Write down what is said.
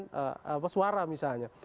proses penghitungan suara misalnya